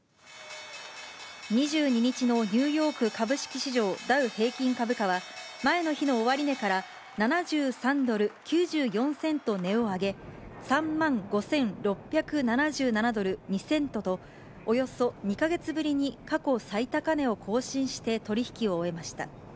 ２２日のニューヨーク株式市場、ダウ平均株価は、前の日の終値から７３ドル９４セント値を上げ、３万５６７７ドル２セントと、およそ２か月ぶりに過去最高値を更新して取り引きを終えました。